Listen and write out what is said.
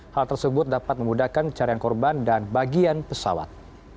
hal tersebut dapat memudahkan pencarian korban dan bagian pesawat